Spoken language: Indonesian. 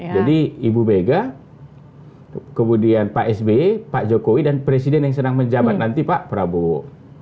jadi ibu vega kemudian pak sbe pak jokowi dan presiden yang senang menjabat nanti pak prabowo